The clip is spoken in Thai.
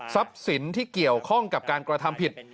สินที่เกี่ยวข้องกับการกระทำผิด